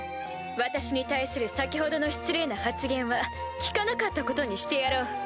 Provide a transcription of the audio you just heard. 私に対する先ほどの失礼な発言は聞かなかったことにしてやろう。